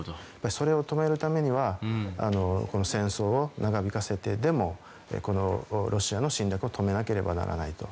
それを止めるためにはこの戦争を長引かせてでもこのロシアの侵略を止めなければならないと。